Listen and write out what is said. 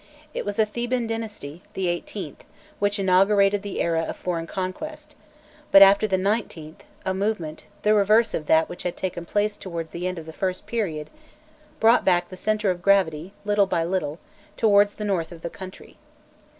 It was a Theban dynasty, the XVIIIth, which inaugurated the era of foreign conquest; but after the XIXth, a movement, the reverse of that which had taken place towards the end of the first period, brought back the centre of gravity, little by little, towards the north of the country.